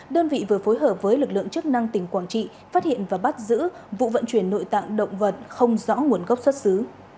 đơn vị vừa phối hợp với lực lượng chức năng tỉnh quảng trị phát hiện và bắt giữ vụ vận chuyển nội tạng động vật không rõ nguồn gốc xuất xứ